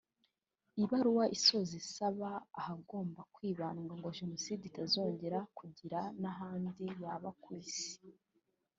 Iyi baruwa isoza isaba ahagomba kwibandwa ngo Jenoside itazongera kugira n’ahandi yaba ku Isi